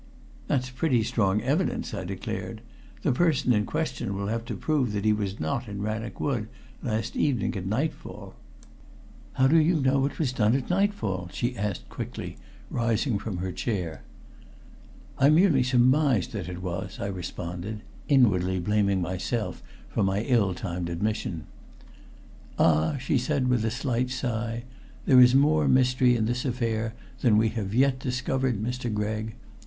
"That's pretty strong evidence," I declared. "The person in question will have to prove that he was not in Rannoch Wood last evening at nightfall." "How do you know it was done at nightfall?" she asked quickly with some surprise, half rising from her chair. "I merely surmised that it was," I responded, inwardly blaming myself for my ill timed admission. "Ah!" she said with a slight sigh, "there is more mystery in this affair than we have yet discovered, Mr. Gregg.